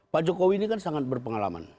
pak jokowi ini kan sangat berpengalaman